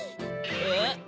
えっ？